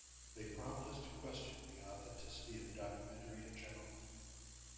They prompt us to question the authenticity of documentary in general.